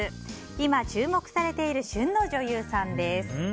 今、注目されている旬の女優さんです。